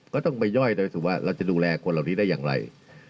ก็ต้องไปย่อยได้สิว่าเราจะดูแลคนเหล่านี้ได้อย่างไร